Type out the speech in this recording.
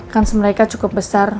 kans mereka cukup besar